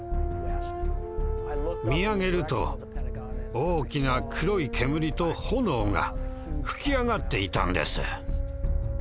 見上げると大きな黒い煙と炎が噴き上がっていたんです。